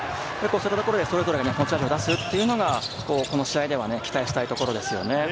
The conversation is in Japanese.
それぞれの持ち味を出すというのが、この試合では期待したいところですよね。